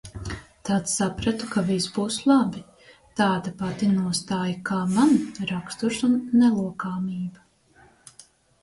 Tad sapratu, ka viss būs labi. Tāda pati nostāja kā man, raksturs un nelokāmība.